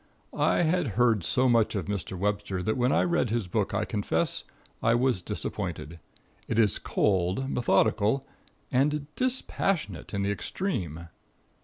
I had heard so much of Mr. Webster that when I read his book I confess I was disappointed. It is cold, methodical and dispassionate in the extreme.